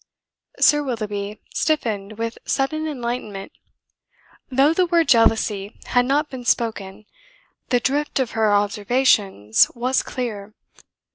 Sir Willoughby stiffened with sudden enlightenment. Though the word jealousy had not been spoken, the drift of her observations was clear.